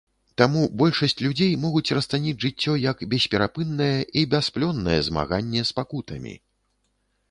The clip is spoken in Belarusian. Таму большасць людзей могуць расцаніць жыццё як бесперапыннае і бясплённае змаганне з пакутамі.